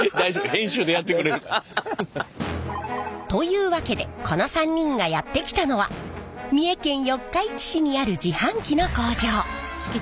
編集でやってくれるから。というわけでこの３人がやって来たのは三重県四日市市にある自販機の工場。